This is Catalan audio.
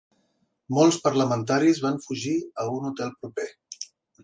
Molts parlamentaris van fugir a un hotel proper.